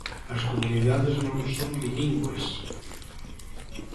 As comunidades non son bilingües.